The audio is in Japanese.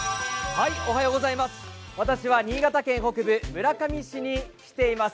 私は新潟県北部、村上市に来ています。